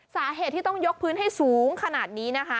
สาเหตุที่ต้องยกพื้นให้สูงขนาดนี้นะคะ